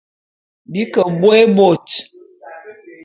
Bi ke bôé bôt.